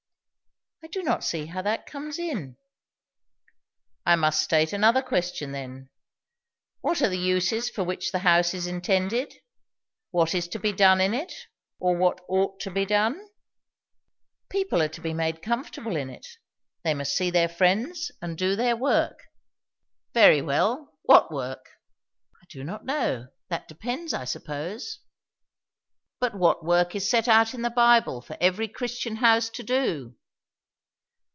"I do not see how that comes in." "I must state another question, then. What are the uses for which the house is intended? what is to be done in it, or what ought to be done?" "People are to be made comfortable in it; they must see their friends, and do their work." "Very well. What work?" "I do not know. That depends, I suppose." "But what work is set out in the Bible for every Christian house to do?"